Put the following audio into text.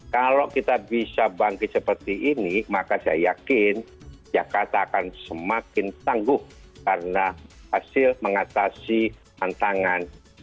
kalau kita bisa bangkit seperti ini maka saya yakin jakarta akan semakin tangguh karena hasil mengatasi tantangan